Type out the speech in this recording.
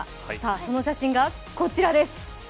その写真がこちらです。